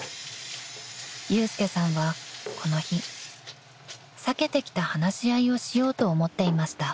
［祐介さんはこの日避けてきた話し合いをしようと思っていました］